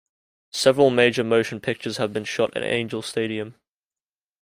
Several major motion pictures have been shot at Angel Stadium.